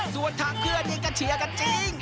ส่วนทางเพื่อนยังกระเฉียกันจริง